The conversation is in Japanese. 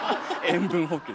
塩分補給。